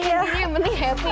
aduh ya ampun